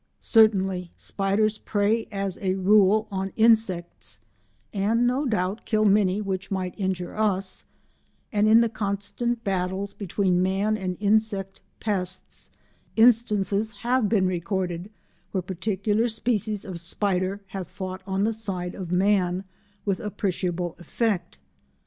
Certainly spiders prey as a rule on insects and no doubt kill many which might injure us, and in the constant battles between man and insect pests, instances have been recorded where particular species of spider have fought on the side of man with appreciable effect.